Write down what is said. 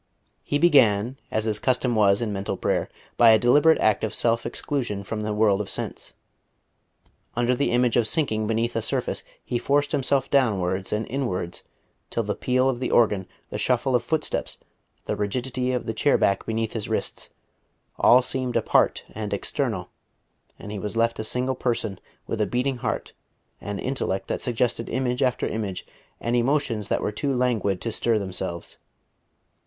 He began, as his custom was in mental prayer, by a deliberate act of self exclusion from the world of sense. Under the image of sinking beneath a surface he forced himself downwards and inwards, till the peal of the organ, the shuffle of footsteps, the rigidity of the chair back beneath his wrists all seemed apart and external, and he was left a single person with a beating heart, an intellect that suggested image after image, and emotions that were too languid to stir themselves.